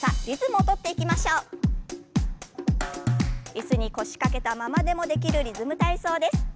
椅子に腰掛けたままでもできるリズム体操です。